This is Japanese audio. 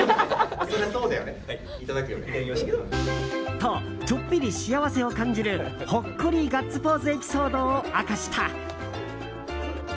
と、ちょっぴり幸せを感じるほっこりガッツポーズエピソードを明かした。